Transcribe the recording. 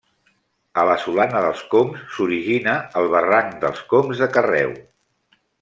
A la Solana dels Cóms s'origina el barranc dels Cóms de Carreu.